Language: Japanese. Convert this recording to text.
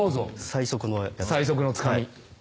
最速のつかみ。